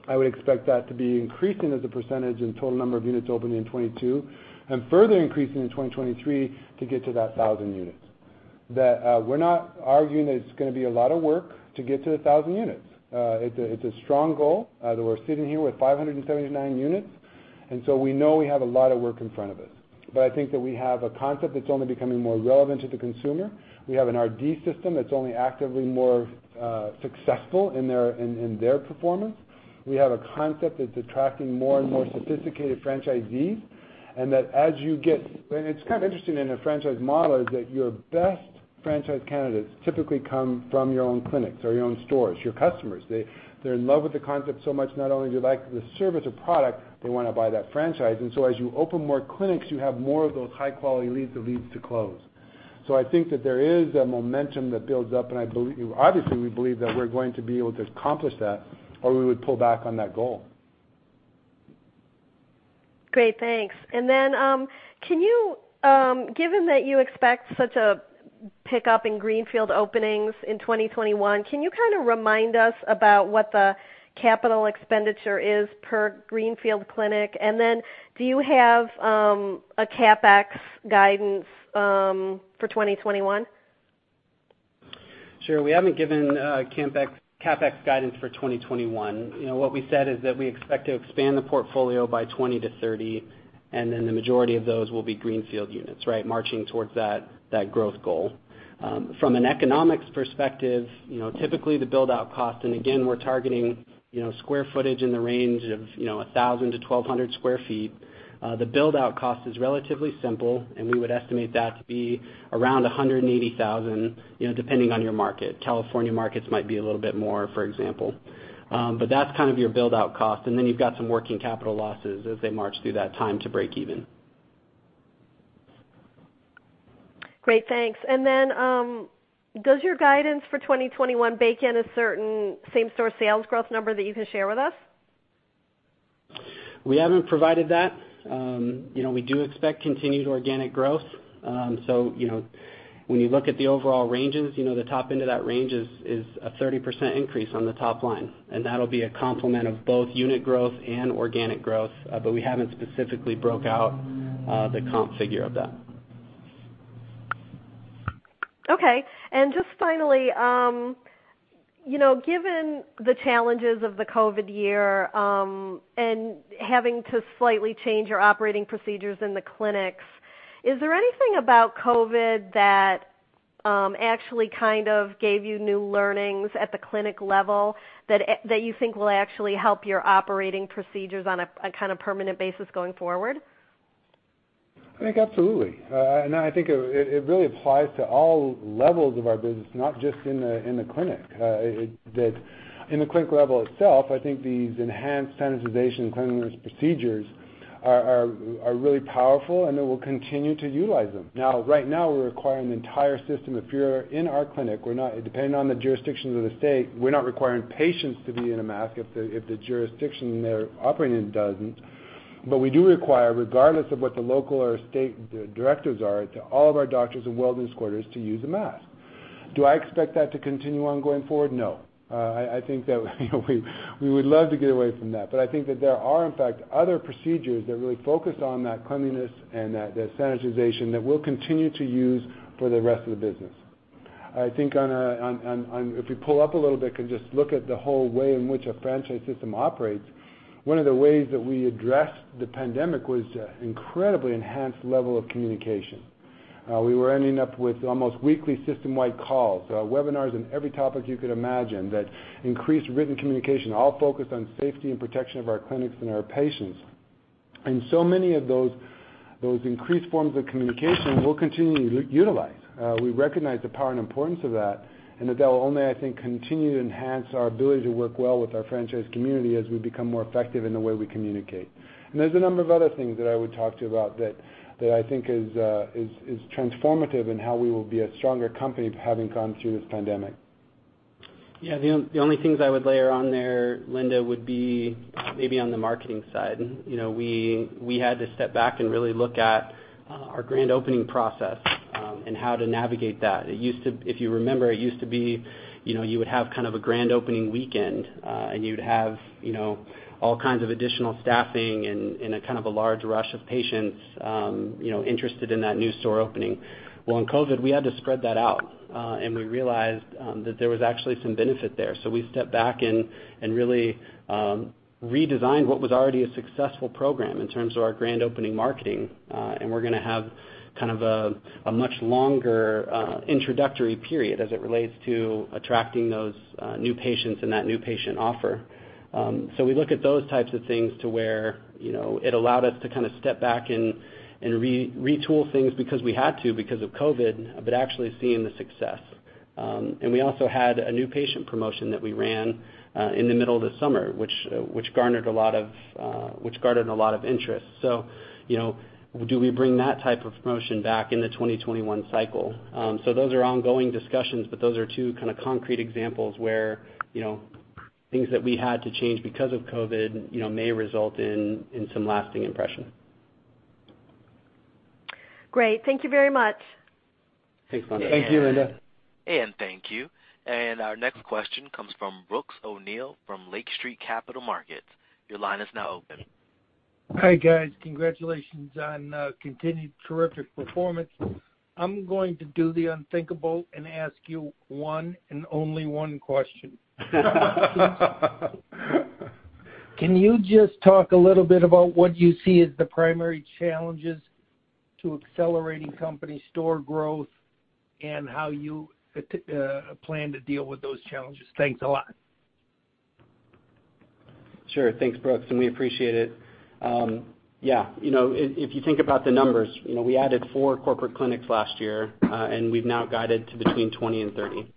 I would expect that to be increasing as a percentage in total number of units opening in 2022, and further increasing in 2023 to get to that 1,000 units. Our unit is going to be a lot of work to get to 1,000 units. It's a strong goal. We're sitting here with 579 units, we know we have a lot of work in front of us. I think that we have a concept that's only becoming more relevant to the consumer. We have an RD system that's only actively more successful in their performance. We have a concept that's attracting more and more sophisticated franchisees, it's kind of interesting in a franchise model is that your best franchise candidates typically come from your own clinics or your own stores, your customers. They're in love with the concept so much, not only do they like the service or product, they want to buy that franchise. As you open more clinics, you have more of those high-quality leads that leads to close. I think that there is a momentum that builds up, and obviously we believe that we're going to be able to accomplish that, or we would pull back on that goal. Great, thanks. Given that you expect such a pickup in greenfield openings in 2021, can you kind of remind us about what the capital expenditure is per greenfield clinic? Do you have a CapEx guidance for 2021? Sure. We haven't given CapEx guidance for 2021. What we said is that we expect to expand the portfolio by 20-30, and then the majority of those will be greenfield units, marching towards that growth goal. From an economics perspective, typically the build-out cost, and again, we're targeting square footage in the range of 1,000-1,200 square feet. The build-out cost is relatively simple, and we would estimate that to be around $180,000, depending on your market. California markets might be a little bit more, for example. That's kind of your build-out cost. You've got some working capital losses as they march through that time to break even. Great. Thanks. Does your guidance for 2021 bake in a certain same-store sales growth number that you can share with us? We haven't provided that. We do expect continued organic growth. When you look at the overall ranges, the top end of that range is a 30% increase on the top line, and that'll be a complement of both unit growth and organic growth. We haven't specifically broke out the comp figure of that. Okay. Just finally, given the challenges of the COVID year, and having to slightly change your operating procedures in the clinics, is there anything about COVID that actually kind of gave you new learnings at the clinic level that you think will actually help your operating procedures on a kind of permanent basis going forward? I think absolutely. I think it really applies to all levels of our business, not just in the clinic. In the clinic level itself, I think these enhanced sanitization cleanliness procedures are really powerful, and then we'll continue to utilize them. Now, right now we're requiring the entire system, if you're in our clinic, depending on the jurisdictions of the state, we're not requiring patients to be in a mask if the jurisdiction they're operating in doesn't. We do require, regardless of what the local or state directives are, that all of our doctors and wellness coordinators to use a mask. Do I expect that to continue on going forward? No. I think that we would love to get away from that. I think that there are, in fact, other procedures that really focus on that cleanliness and that sanitization that we'll continue to use for the rest of the business. I think if you pull up a little bit and just look at the whole way in which a franchise system operates, one of the ways that we addressed the pandemic was incredibly enhanced level of communication. We were ending up with almost weekly system-wide calls, webinars on every topic you could imagine that increased written communication, all focused on safety and protection of our clinics and our patients. Many of those increased forms of communication, we'll continue to utilize. We recognize the power and importance of that, and that they'll only, I think, continue to enhance our ability to work well with our franchise community as we become more effective in the way we communicate. There's a number of other things that I would talk to you about that I think is transformative in how we will be a stronger company having gone through this pandemic. Yeah. The only things I would layer on there, Linda, would be maybe on the marketing side. We had to step back and really look at our grand opening process, and how to navigate that. If you remember, it used to be you would have kind of a grand opening weekend, and you'd have all kinds of additional staffing and a kind of a large rush of patients interested in that new store opening. Well, in COVID, we had to spread that out, and we realized that there was actually some benefit there. We stepped back and really redesigned what was already a successful program in terms of our grand opening marketing. We're going to have kind of a much longer introductory period as it relates to attracting those new patients and that new patient offer. We look at those types of things to where it allowed us to kind of step back and retool things because we had to because of COVID, but actually seeing the success. We also had a new patient promotion that we ran in the middle of the summer, which garnered a lot of interest. Do we bring that type of promotion back in the 2021 cycle? Those are ongoing discussions, but those are two kind of concrete examples where things that we had to change because of COVID may result in some lasting impression. Great. Thank you very much. Thanks, Linda. Thank you, Linda. Thank you. Our next question comes from Brooks O'Neil from Lake Street Capital Markets. Your line is now open. Hi, guys. Congratulations on a continued terrific performance. I'm going to do the unthinkable and ask you one and only one question. Can you just talk a little bit about what you see as the primary challenges to accelerating company store growth and how you plan to deal with those challenges? Thanks a lot. Sure. Thanks, Brooks. We appreciate it. Yeah. If you think about the numbers, we added four corporate clinics last year, and we've now guided to between 20 and 30.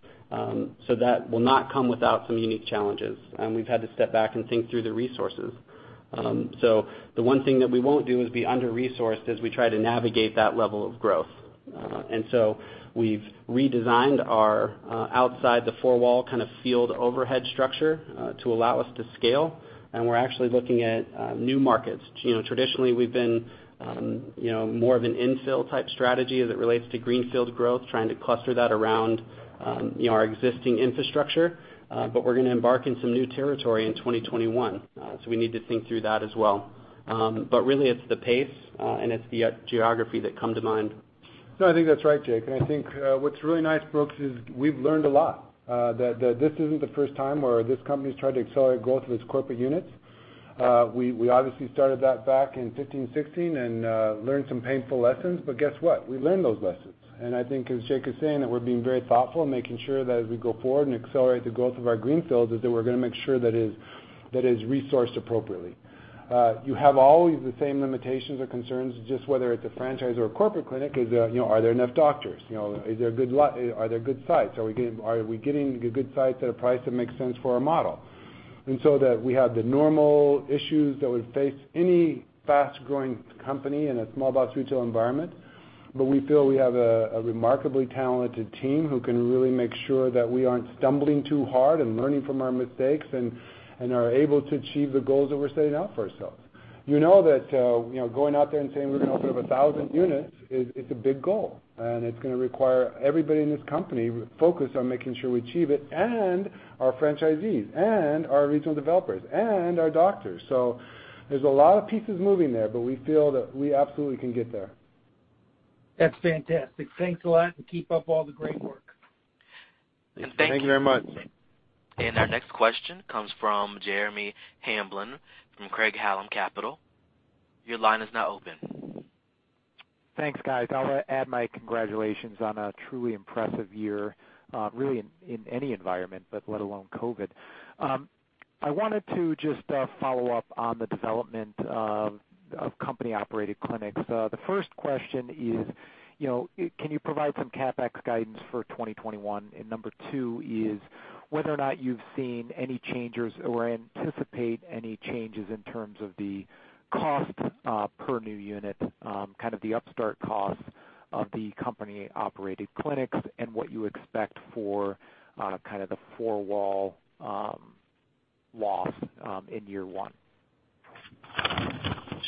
That will not come without some unique challenges, and we've had to step back and think through the resources. The one thing that we won't do is be under-resourced as we try to navigate that level of growth. We've redesigned our outside the four-wall kind of field overhead structure to allow us to scale, and we're actually looking at new markets. Traditionally, we've been more of an infill type strategy as it relates to greenfield growth, trying to cluster that around our existing infrastructure. We're going to embark in some new territory in 2021. We need to think through that as well. Really it's the pace, and it's the geography that come to mind. No, I think that's right, Jake. I think what's really nice, Brooks, is we've learned a lot. That this isn't the first time where this company's tried to accelerate growth of its corporate units. We obviously started that back in 2015, 2016, and learned some painful lessons. Guess what. We learned those lessons. I think as Jake is saying, that we're being very thoughtful in making sure that as we go forward and accelerate the growth of our greenfields, is that we're going to make sure that it is resourced appropriately. You have always the same limitations or concerns, just whether it's a franchise or a corporate clinic, is are there enough doctors? Are there good sites? Are we getting good sites at a price that makes sense for our model? We have the normal issues that would face any fast-growing company in a small box retail environment. We feel we have a remarkably talented team who can really make sure that we aren't stumbling too hard and learning from our mistakes, and are able to achieve the goals that we're setting out for ourselves. You know that going out there and saying we're going to open up 1,000 units, it's a big goal, and it's going to require everybody in this company focused on making sure we achieve it, and our franchisees, and our regional developers, and our doctors. There's a lot of pieces moving there, but we feel that we absolutely can get there. That's fantastic. Thanks a lot, and keep up all the great work. Thank you very much. Our next question comes from Jeremy Hamblin from Craig-Hallum Capital. Your line is now open. Thanks, guys. I'll add my congratulations on a truly impressive year, really in any environment, but let alone COVID. I wanted to just follow up on the development of company-operated clinics. The first question is, can you provide some CapEx guidance for 2021? Number two is whether or not you've seen any changes or anticipate any changes in terms of the cost per new unit, kind of the upstart costs of the company-operated clinics, and what you expect for kind of the four-wall loss in year one.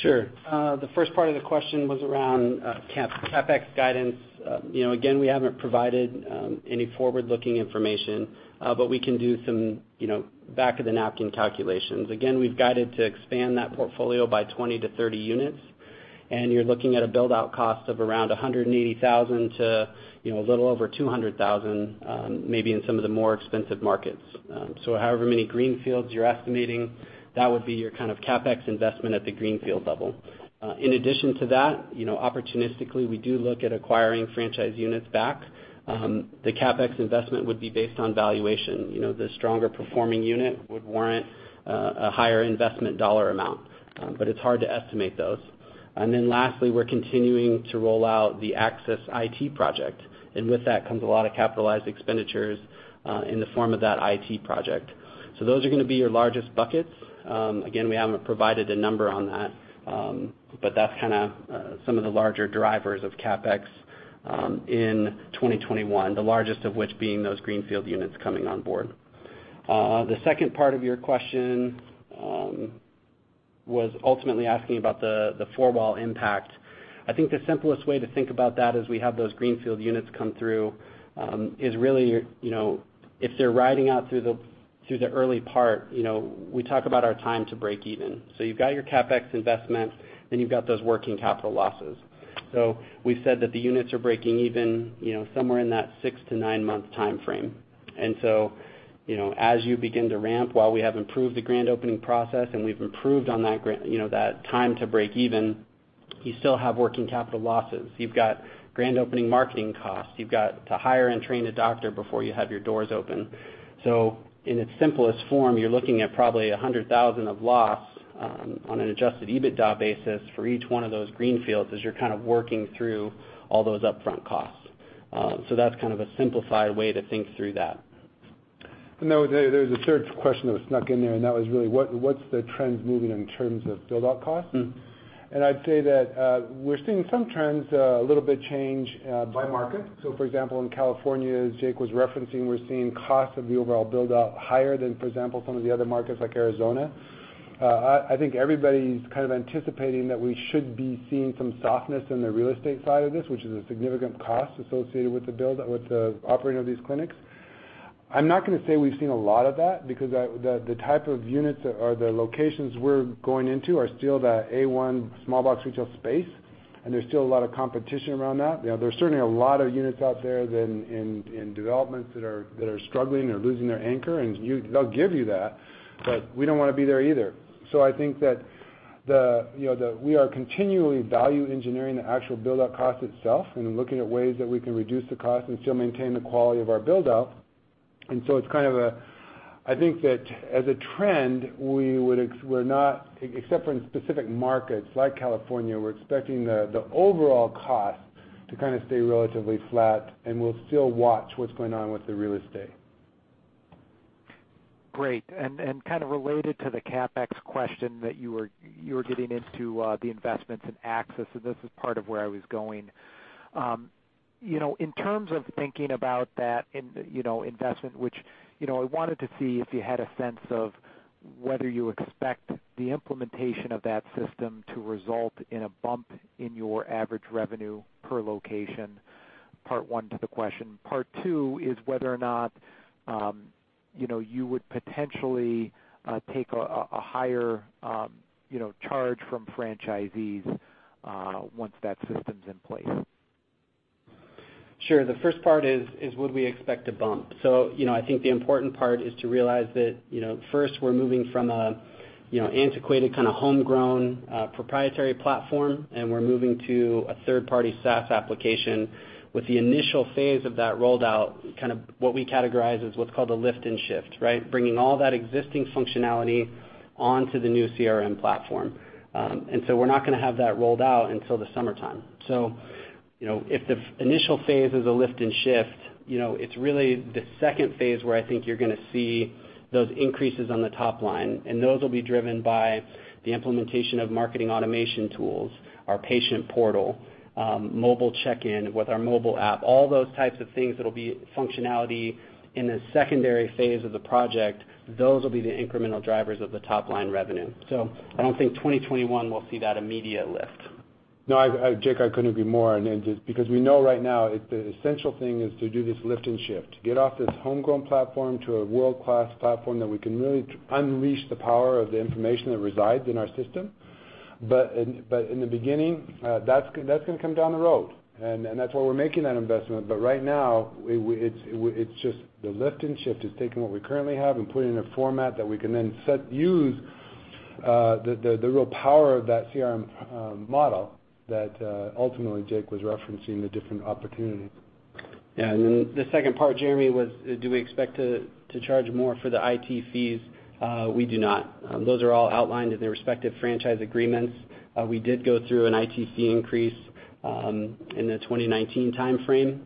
Sure. The first part of the question was around CapEx guidance. Again, we haven't provided any forward-looking information, but we can do some back of the napkin calculations. Again, we've guided to expand that portfolio by 20-30 units, and you're looking at a build-out cost of around $180,000 to a little over $200,000, maybe in some of the more expensive markets. However many greenfields you're estimating, that would be your kind of CapEx investment at the greenfield level. In addition to that, opportunistically, we do look at acquiring franchise units back. The CapEx investment would be based on valuation. The stronger performing unit would warrant a higher investment dollar amount. It's hard to estimate those. Lastly, we're continuing to roll out the Axis IT project, and with that comes a lot of capitalized expenditures in the form of that IT project. Those are going to be your largest buckets. Again, we haven't provided a number on that. That's kind of some of the larger drivers of CapEx in 2021, the largest of which being those greenfield units coming on board. The second part of your question was ultimately asking about the four-wall impact. I think the simplest way to think about that as we have those greenfield units come through, is really if they're riding out through the early part, we talk about our time to break even. You've got your CapEx investments, then you've got those working capital losses. We've said that the units are breaking even somewhere in that six to nine-month timeframe. As you begin to ramp, while we have improved the grand opening process and we've improved on that time to break even, you still have working capital losses. You've got grand opening marketing costs. You've got to hire and train a doctor before you have your doors open. In its simplest form, you're looking at probably $100,000 of loss on an Adjusted EBITDA basis for each one of those greenfields, as you're kind of working through all those upfront costs. That's kind of a simplified way to think through that. There was a third question that was snuck in there, and that was really what's the trends moving in terms of build-out costs? I'd say that we're seeing some trends, a little bit change by market. For example, in California, as Jake was referencing, we're seeing costs of the overall build-out higher than, for example, some of the other markets like Arizona. I think everybody's kind of anticipating that we should be seeing some softness in the real estate side of this, which is a significant cost associated with the operating of these clinics. I'm not going to say we've seen a lot of that, because the type of units or the locations we're going into are still the A1 small box retail space, and there's still a lot of competition around that. There's certainly a lot of units out there in developments that are struggling or losing their anchor, and they'll give you that, but we don't want to be there either. I think that we are continually value engineering the actual build-out cost itself and then looking at ways that we can reduce the cost and still maintain the quality of our build-out. I think that as a trend, except for in specific markets like California, we're expecting the overall cost to kind of stay relatively flat, and we'll still watch what's going on with the real estate. Great. Kind of related to the CapEx question that you were getting into the investments in Axis, this is part of where I was going. In terms of thinking about that investment, which I wanted to see if you had a sense of whether you expect the implementation of that system to result in a bump in your average revenue per location. Part one to the question. Part two is whether or not you would potentially take a higher charge from franchisees once that system's in place. Sure. The first part is, would we expect a bump? I think the important part is to realize that first we're moving from an antiquated kind of homegrown, proprietary platform, and we're moving to a third-party SaaS application with the initial phase of that rolled out, what we categorize as what's called a lift and shift, right? Bringing all that existing functionality onto the new CRM platform. We're not going to have that rolled out until the summertime. If the initial phase is a lift and shift, it's really the second phase where I think you're going to see those increases on the top line, and those will be driven by the implementation of marketing automation tools, our patient portal, mobile check-in with our mobile app, all those types of things that'll be functionality in the secondary phase of the project. Those will be the incremental drivers of the top-line revenue. I don't think 2021 will see that immediate lift. No, Jake, I couldn't agree more. Because we know right now, the essential thing is to do this lift and shift, get off this homegrown platform to a world-class platform that we can really unleash the power of the information that resides in our system. In the beginning, that's going to come down the road, and that's why we're making that investment. Right now, it's just the lift and shift is taking what we currently have and putting it in a format that we can then use the real power of that CRM model that ultimately Jake was referencing, the different opportunities. Yeah. Then the second part, Jeremy, was do we expect to charge more for the IT fees? We do not. Those are all outlined in their respective franchise agreements. We did go through an IT fee increase in the 2019 timeframe,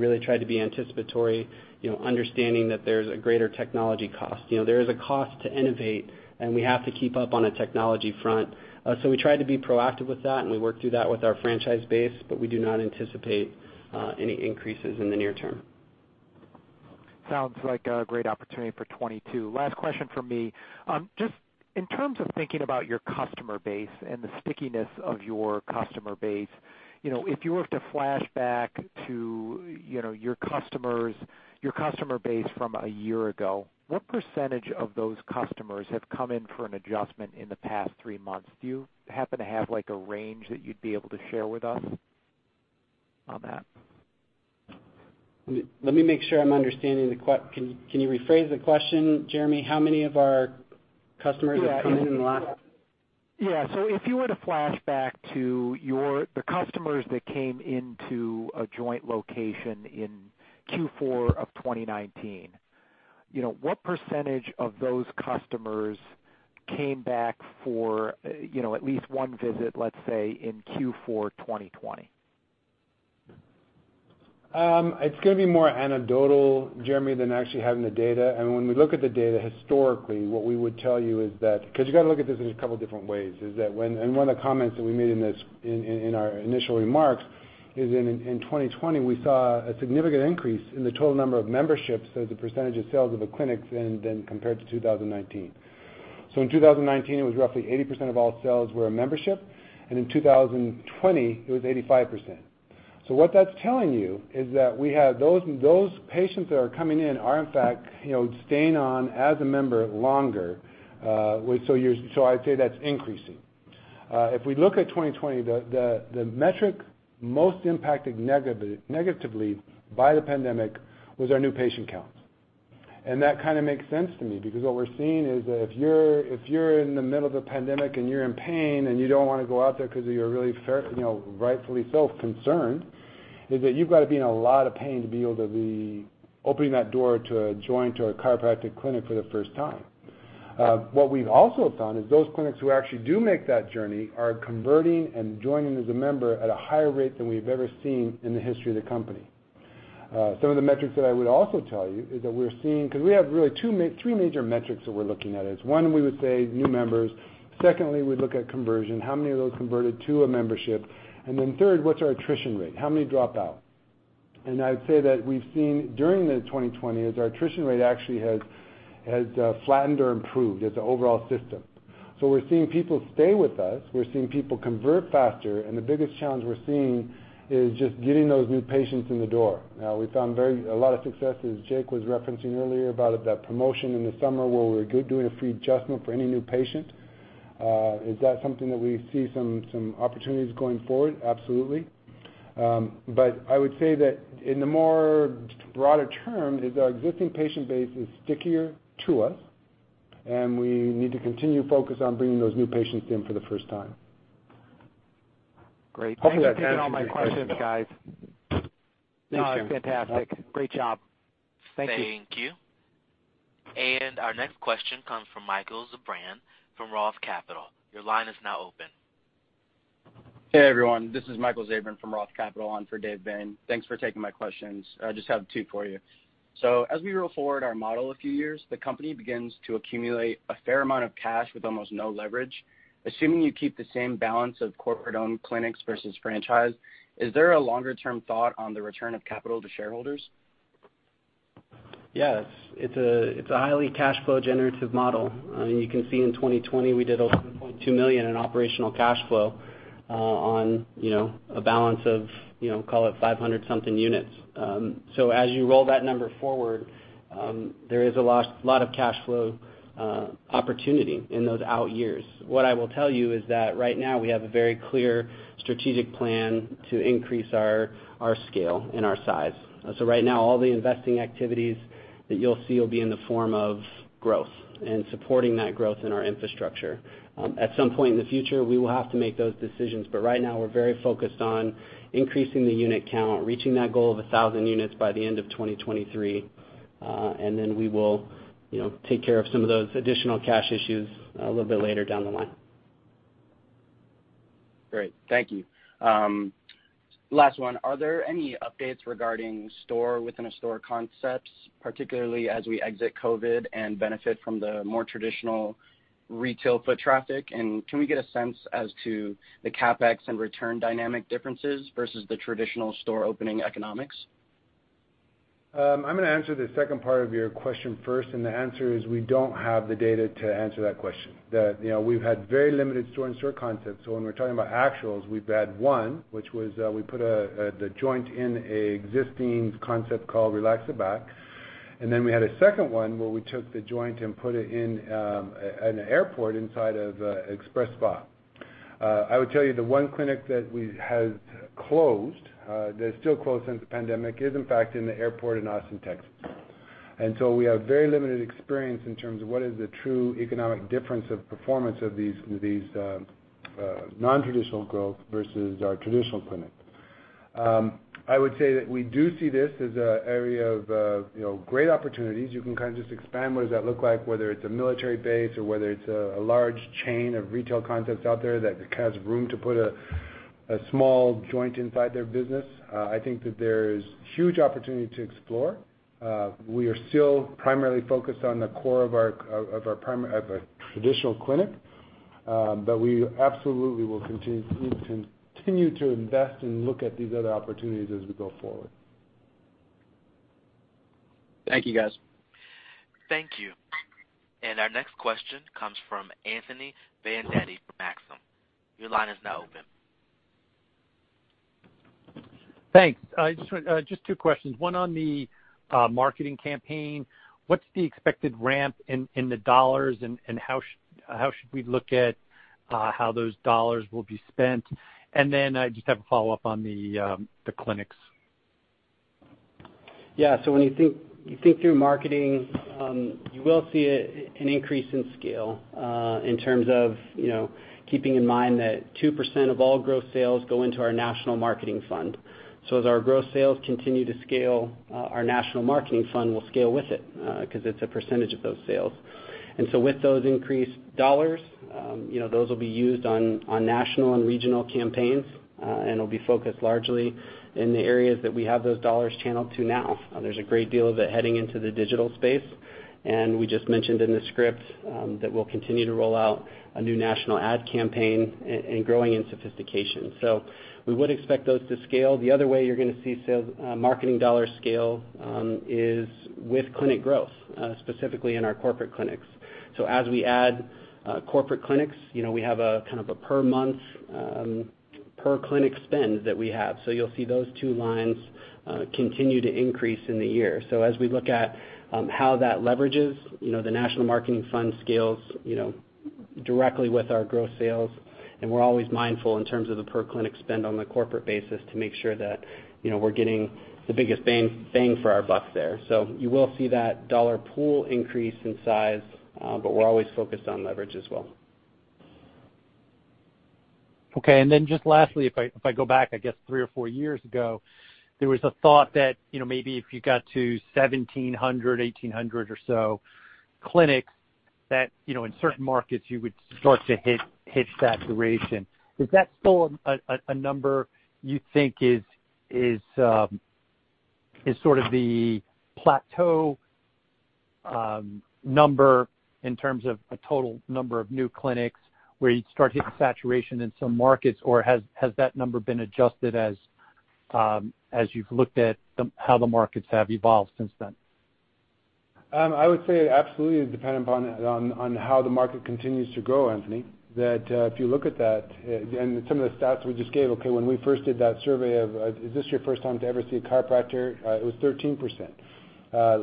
really tried to be anticipatory, understanding that there's a greater technology cost. There is a cost to innovate, we have to keep up on a technology front. We tried to be proactive with that, we worked through that with our franchise base, we do not anticipate any increases in the near term. Sounds like a great opportunity for 2022. Last question from me. Just in terms of thinking about your customer base and the stickiness of your customer base, if you were to flash back to your customer base from a year ago, what percentage of those customers have come in for an adjustment in the past three months? Do you happen to have a range that you'd be able to share with us on that? Let me make sure I'm understanding the question. Can you rephrase the question, Jeremy? How many of our customers have come in the last- Yeah. If you were to flash back to the customers that came into a Joint location in Q4 of 2019, what % of those customers came back for at least one visit, let's say, in Q4 2020? It's going to be more anecdotal, Jeremy, than actually having the data. When we look at the data historically, what we would tell you is that, because you got to look at this in a couple different ways, is that when, and one of the comments that we made in our initial remarks is in 2020, we saw a significant increase in the total number of memberships as a percentage of sales of the clinics than compared to 2019. In 2019, it was roughly 80% of all sales were a membership, and in 2020, it was 85%. What that's telling you is that those patients that are coming in are in fact staying on as a member longer. I'd say that's increasing. If we look at 2020, the metric most impacted negatively by the pandemic was our new patient count. That kind of makes sense to me because what we're seeing is that if you're in the middle of a pandemic and you're in pain and you don't want to go out there because you're rightfully self-concerned, is that you've got to be in a lot of pain to be able to be opening that door to The Joint or a chiropractic clinic for the first time. What we've also found is those clinics who actually do make that journey are converting and joining as a member at a higher rate than we've ever seen in the history of the company. Some of the metrics that I would also tell you is that we're seeing, because we have really three major metrics that we're looking at, is one, we would say new members. Secondly, we look at conversion. How many of those converted to a membership? Then third, what's our attrition rate? How many drop out? I'd say that we've seen during 2020 is our attrition rate actually has flattened or improved as an overall system. We're seeing people stay with us. We're seeing people convert faster, the biggest challenge we're seeing is just getting those new patients in the door. Now, we found a lot of success, as Jake was referencing earlier, about that promotion in the summer where we're doing a free adjustment for any new patient. Is that something that we see some opportunities going forward? Absolutely. I would say that in the more broader term is our existing patient base is stickier to us, we need to continue to focus on bringing those new patients in for the first time. Great. Thank you for taking all my questions, guys. Hopefully that answers your question, though. No, fantastic. Great job. Thank you. Thank you. Our next question comes from Michael Zabran from ROTH Capital. Your line is now open. Hey, everyone. This is Michael Zabran from ROTH Capital on for David Bain. Thanks for taking my questions. I just have two for you. As we roll forward our model a few years, the company begins to accumulate a fair amount of cash with almost no leverage. Assuming you keep the same balance of corporate-owned clinics versus franchise, is there a longer-term thought on the return of capital to shareholders? Yes, it's a highly cash flow generative model. You can see in 2020, we did $11.2 million in operational cash flow on a balance of call it 500 something units. As you roll that number forward, there is a lot of cash flow opportunity in those out years. What I will tell you is that right now we have a very clear strategic plan to increase our scale and our size. Right now, all the investing activities that you'll see will be in the form of growth and supporting that growth in our infrastructure. At some point in the future, we will have to make those decisions. Right now, we're very focused on increasing the unit count, reaching that goal of 1,000 units by the end of 2023. Then we will take care of some of those additional cash issues a little bit later down the line. Great. Thank you. Last one. Are there any updates regarding store within a store concepts, particularly as we exit COVID and benefit from the more traditional retail foot traffic? Can we get a sense as to the CapEx and return dynamic differences versus the traditional store opening economics? I'm going to answer the second part of your question first. The answer is we don't have the data to answer that question. We've had very limited store-in-store concepts. When we're talking about actuals, we've had one, which was we put The Joint in a existing concept called Relax The Back. We had a second one where we took The Joint and put it in an airport inside of a XpresSpa. I would tell you the one clinic that has closed, that's still closed since the pandemic, is in fact in the airport in Austin, Texas. We have very limited experience in terms of what is the true economic difference of performance of these nontraditional growth versus our traditional clinic. I would say that we do see this as an area of great opportunities. You can kind of just expand what does that look like, whether it's a military base or whether it's a large chain of retail concepts out there that has room to put a small Joint inside their business. I think that there's huge opportunity to explore. We are still primarily focused on the core of our traditional clinic, but we absolutely will continue to invest and look at these other opportunities as we go forward. Thank you, guys. Thank you. Our next question comes from Anthony Vendetti from Maxim. Your line is now open. Thanks. Just two questions. One on the marketing campaign. What's the expected ramp in the dollars, and how should we look at how those dollars will be spent? I just have a follow-up on the clinics. When you think through marketing, you will see an increase in scale in terms of keeping in mind that 2% of all gross sales go into our national marketing fund. As our gross sales continue to scale, our national marketing fund will scale with it because it's a percentage of those sales. With those increased dollars, those will be used on national and regional campaigns, and it'll be focused largely in the areas that we have those dollars channeled to now. There's a great deal of it heading into the digital space, and we just mentioned in the script that we'll continue to roll out a new national ad campaign and growing in sophistication. We would expect those to scale. The other way you're going to see marketing dollars scale is with clinic growth, specifically in our corporate clinics. As we add corporate clinics, we have a kind of a per month, per clinic spend that we have. You'll see those two lines continue to increase in the year. As we look at how that leverages, the national marketing fund scales directly with our gross sales, and we're always mindful in terms of the per clinic spend on the corporate basis to make sure that we're getting the biggest bang for our buck there. You will see that dollar pool increase in size, but we're always focused on leverage as well. Okay. Just lastly, if I go back, I guess three or four years ago, there was a thought that maybe if you got to 1,700, 1,800 or so clinics, that in certain markets, you would start to hit saturation. Is that still a number you think is sort of the plateau number in terms of a total number of new clinics where you'd start hitting saturation in some markets, or has that number been adjusted as you've looked at how the markets have evolved since then? I would say it absolutely is dependent on how the market continues to grow, Anthony. If you look at that, and some of the stats we just gave, okay, when we first did that survey of, is this your first time to ever see a chiropractor? It was 13%.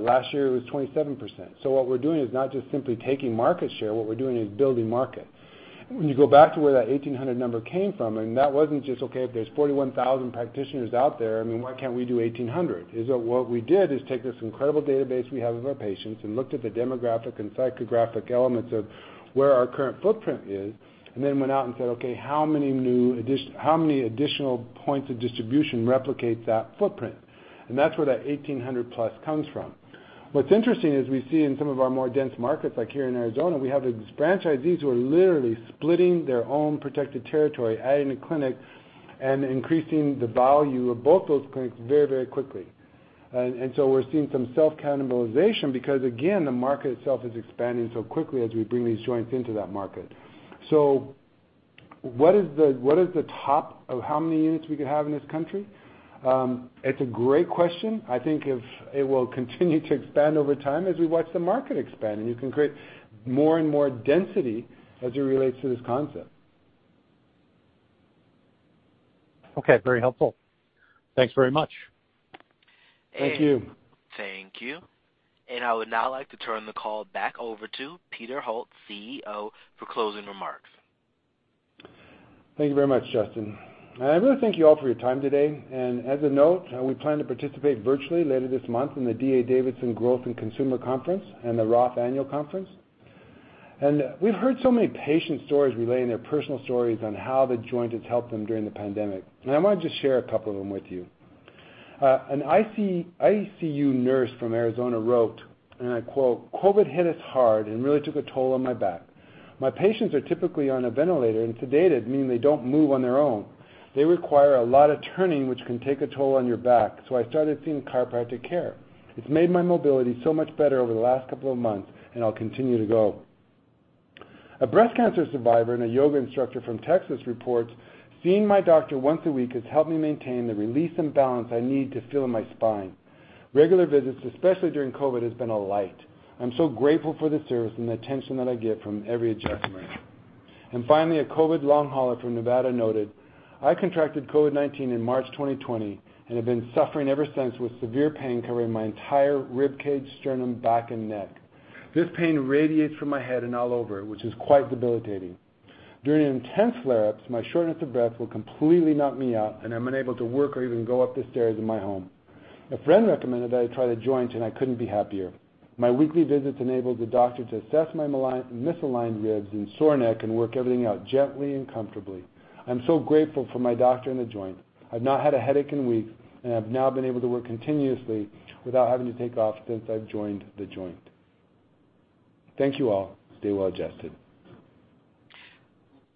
Last year, it was 27%. What we're doing is not just simply taking market share. What we're doing is building market. When you go back to where that 1,800 number came from, and that wasn't just, okay, if there's 41,000 practitioners out there, I mean, why can't we do 1,800? What we did is take this incredible database we have of our patients and looked at the demographic and psychographic elements of where our current footprint is, and then went out and said, "Okay, how many additional points of distribution replicate that footprint?" That's where that 1,800 plus comes from. What's interesting is we see in some of our more dense markets, like here in Arizona, we have franchisees who are literally splitting their own protected territory, adding a clinic, and increasing the value of both those clinics very, very quickly. We're seeing some self-cannibalization because, again, the market itself is expanding so quickly as we bring these Joints into that market. What is the top of how many units we could have in this country? It's a great question. I think it will continue to expand over time as we watch the market expand, and you can create more and more density as it relates to this concept. Okay. Very helpful. Thanks very much. Thank you. Thank you. I would now like to turn the call back over to Peter Holt, CEO, for closing remarks. Thank you very much, Justin. I really thank you all for your time today. As a note, we plan to participate virtually later this month in the D.A. Davidson Consumer Growth Conference and the Annual ROTH Conference. We've heard so many patient stories relaying their personal stories on how The Joint has helped them during the pandemic. I want to just share a couple of them with you. An ICU nurse from Arizona wrote, and I quote, "COVID hit us hard and really took a toll on my back. My patients are typically on a ventilator and sedated, meaning they don't move on their own. They require a lot of turning, which can take a toll on your back, so I started seeing chiropractic care. It's made my mobility so much better over the last couple of months, and I'll continue to go." A breast cancer survivor and a yoga instructor from Texas reports, "Seeing my doctor once a week has helped me maintain the release and balance I need to feel in my spine. Regular visits, especially during COVID, has been a light. I'm so grateful for the service and the attention that I get from every adjustment." Finally, a COVID long hauler from Nevada noted, "I contracted COVID-19 in March 2020 and have been suffering ever since with severe pain covering my entire ribcage, sternum, back, and neck. This pain radiates from my head and all over, which is quite debilitating. During intense flare-ups, my shortness of breath will completely knock me out, and I'm unable to work or even go up the stairs in my home. A friend recommended that I try The Joint, and I couldn't be happier. My weekly visits enabled the doctor to assess my misaligned ribs and sore neck and work everything out gently and comfortably. I'm so grateful for my doctor in The Joint. I've not had a headache in weeks, and I've now been able to work continuously without having to take off since I've joined The Joint." Thank you all. Stay well-adjusted.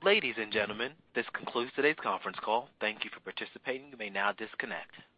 Ladies and gentlemen, this concludes today's conference call. Thank you for participating. You may now disconnect.